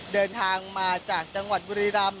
เดินทางมาจากจังหวัดบุรีรำ